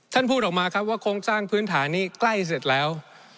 พูดออกมาครับว่าโครงสร้างพื้นฐานนี้ใกล้เสร็จแล้ว